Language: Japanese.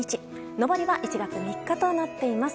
上りは１月３日となっています。